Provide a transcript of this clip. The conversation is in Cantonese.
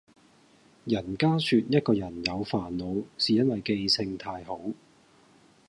人家說一個人有煩惱是因為記性太好